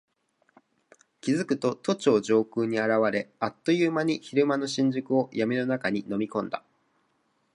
気付くと都庁上空に現れ、あっという間に昼間の新宿を闇の中に飲み込んだ。